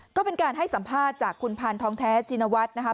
ก็เป็นการให้สัมภาษณ์จากคุณพานทองแท้ชินวัฒน์นะครับ